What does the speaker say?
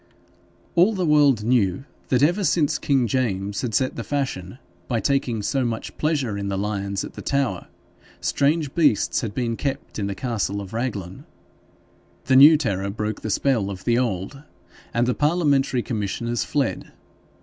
All the world knew that ever since King James had set the fashion by taking so much pleasure in the lions at the Tower, strange beasts had been kept in the castle of Raglan. The new terror broke the spell of the old, and the parliamentary commissioners fled.